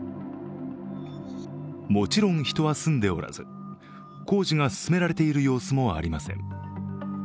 もちろん、人は住んでおらず工事が進められている様子もありません。